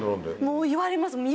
もう言われます。